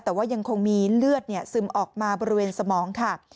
แต่ว่ายังคงมีเลือดซึมออกมาบริเวณสมองค่ะ